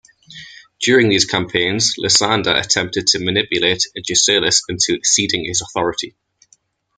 During these campaigns, Lysander attempted to manipulate Agesilaus into ceding his authority.